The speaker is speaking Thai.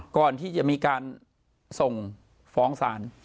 ก่อนที่จะมีการส่งฟ้องศาล